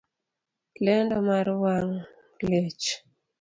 Lendo mar wang' liech